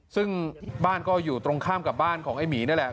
ซึ่งบ้านก็อยู่ตรงข้ามกับบ้านของไอ้หมีนั่นแหละ